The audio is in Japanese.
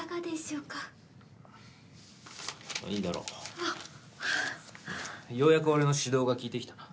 ようやく俺の指導が効いてきたな。